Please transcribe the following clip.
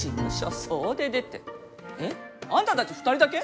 えあんたたち２人だけ？